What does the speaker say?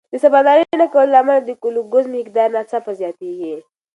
د سباناري نه کولو له امله د ګلوکوز مقدار ناڅاپه زیاتېږي.